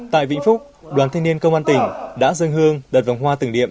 tại vĩnh phúc đoàn thanh niên công an tỉnh đã dân hương đợt vòng hoa tưởng điệm